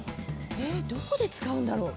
どこで使うんだろう？